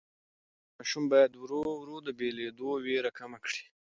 ماشوم باید ورو ورو د بېلېدو وېره کمه کړي.